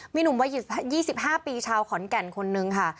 มีหนุ่มวัย๒๕ปีชาวขอนแก่นคนนึงค่ะ